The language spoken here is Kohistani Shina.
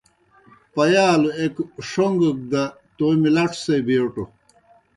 پیالوْ ایْک ݜَون٘گَک دہ تومیْ لڇو سے بیٹُو۔